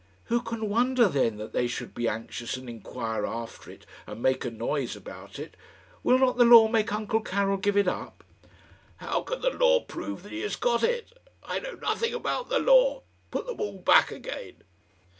"Who can wonder, then, that they should be anxious and inquire after it, and make a noise about it? Will not the law make uncle Karil give it up?" "How can the law prove that he has got it? I know nothing about the law. Put them all back again."